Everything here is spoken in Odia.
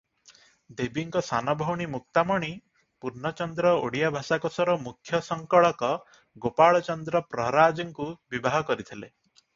ଦେବୀଙ୍କ ସାନଭଉଣୀ ମୁକ୍ତାମଣି ପୂର୍ଣ୍ଣଚନ୍ଦ୍ର ଓଡ଼ିଆ ଭାଷାକୋଷର ମୁଖ୍ୟ ସଂକଳକ ଗୋପାଳ ଚନ୍ଦ୍ର ପ୍ରହରାଜଙ୍କୁ ବିବାହ କରିଥିଲେ ।